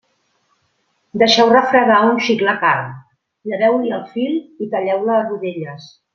Deixeu refredar un xic la carn, lleveu-li el fil i talleu-la a rodelles.